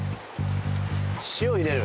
塩入れる？